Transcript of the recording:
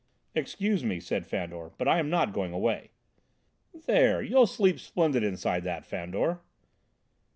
"Excuse me," said Fandor, "but I am not going away." "There! You'll sleep splendid inside that, Fandor."